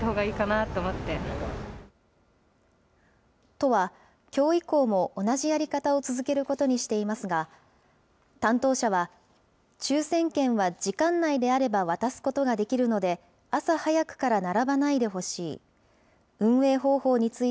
都は、きょう以降も同じやり方を続けることにしていますが、担当者は、抽せん券は時間内であれば渡すことができるので、朝早くから並ばないでほしい。